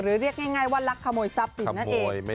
เรียกง่ายว่าลักขโมยทรัพย์สินนั่นเอง